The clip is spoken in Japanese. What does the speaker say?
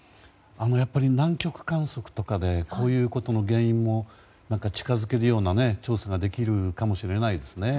やっぱり南極観測とかでこういうことの原因も近づけるような調査ができるかもしれないですね。